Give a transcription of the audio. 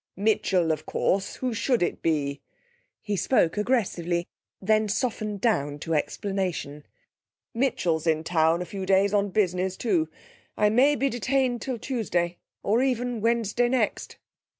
'Mitchell, of course. Who should it be?' He spoke aggressively, then softened down to explanation, 'Mitchell's in town a few days on business, too. I may be detained till Tuesday or even Wednesday next.'